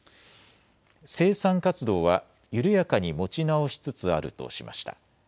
生産活動は緩やかに持ち直しつつあるとしました。